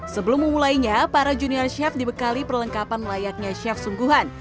sebelum memulainya para junior chef dibekali perlengkapan layaknya chef sungguhan